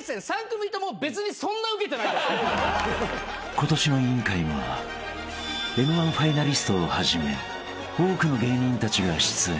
［今年の『委員会』もＭ−１ファイナリストをはじめ多くの芸人たちが出演］